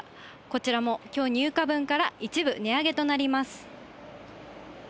こちらも、きょう入荷分から一部値上げとなります。